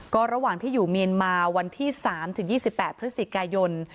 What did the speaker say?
ก็ระหว่างที่อยู่เมียนมาวันที่๓๒๘พฤศจิกายน